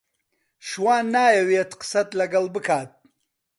شوان نایەوێت قسەت لەگەڵ بکات.